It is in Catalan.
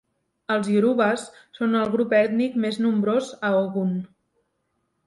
Els iorubes són el grup ètnic més nombrós a Ogun.